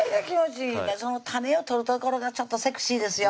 種を取る所がちょっとセクシーですよ